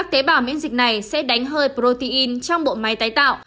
tế bào t sẽ đánh hơi protein trong bộ máy tái tạo